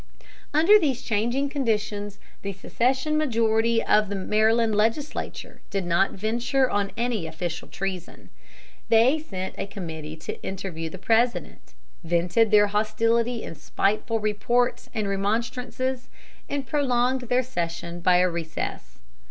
Under these changing conditions the secession majority of the Maryland legislature did not venture on any official treason. They sent a committee to interview the President, vented their hostility in spiteful reports and remonstrances, and prolonged their session by a recess.